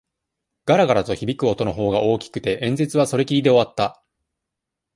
がらがらと響く音のほうが大きくて、演説はそれきりで終わった。